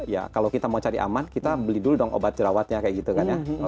ya kalau kita mau cari aman kita beli dulu dong obat jerawatnya kayak gitu kan ya